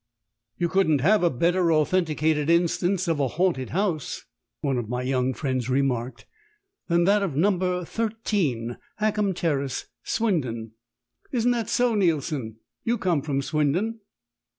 "You couldn't have a better authenticated instance of a haunted house," one of my young friends remarked, "than that of No. , Hackham Terrace, Swindon. Isn't that so, Neilson? You come from Swindon."